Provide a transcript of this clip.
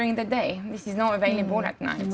ini tidak terdapat pada malam